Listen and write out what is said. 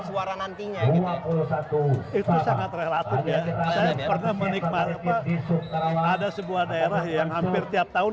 suara nantinya gitu itu sangat relatif ya saya pernah menikmati apa ada sebuah daerah yang hampir tiap tahun